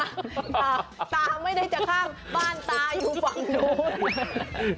ตาตาไม่ได้จะข้างบ้านตาอยู่ฝั่งนู้น